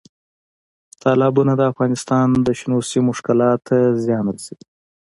تالابونه د افغانستان د شنو سیمو ښکلا ته زیان رسوي.